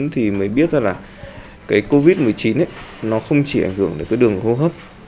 thì mới biết ra là cái covid một mươi chín ấy nó không chỉ ảnh hưởng đến cái đường hô hấp